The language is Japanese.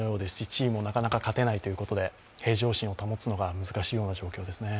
チームもなかなか勝てないということで、平常心を保つのが難しいような状況ですね。